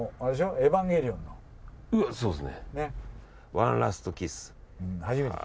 そうですね！